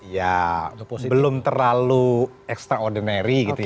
ya belum terlalu extraordinary gitu ya